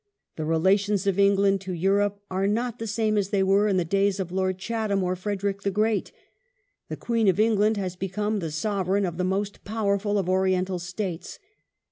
... The relations of England to Europe are not the same as they were in the days of Lord Chatham or Frederick the Great. The Queen of England has become the Sovereign of the most powerful of Oriental States.